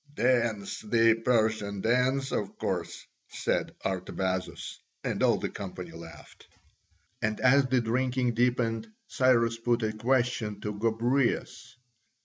"Dance the Persian dance, of course," said Artabazus. And all the company laughed. And as the drinking deepened Cyrus put a question to Gobryas.